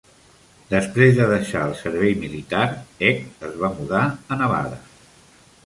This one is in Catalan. Després de deixar el servei militar, Hecht es va mudar a Nevada.